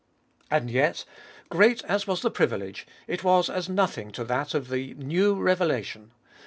And yet great as was the privilege, it was as nothing to that of the new revelation.